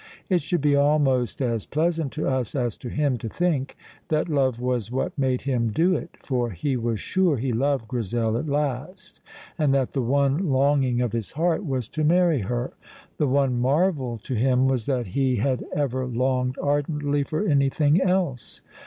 It should be almost as pleasant to us as to him to think that love was what made him do it, for he was sure he loved Grizel at last, and that the one longing of his heart was to marry her; the one marvel to him was that he had ever longed ardently for anything else.